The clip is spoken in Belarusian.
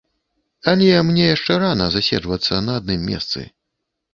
Але мне яшчэ рана заседжвацца на адным месцы.